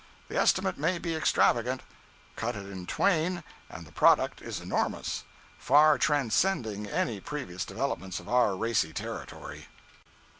The estimate may be extravagant. Cut it in twain, and the product is enormous, far transcending any previous developments of our racy Territory.